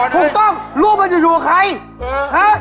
ถูกต้องลูกมันจะอยู่กับใครฮะ